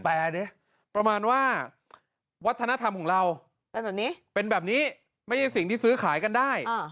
แปลอะไรเนี่ยประมาณว่าวัฒนธรรมของเราเป็นแบบนี้ไม่ใช่สิ่งที่ซื้อขายกันได้